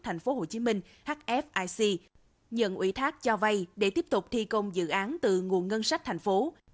tp hcm hfic nhận ủy thác cho vay để tiếp tục thi công dự án từ nguồn ngân sách thành phố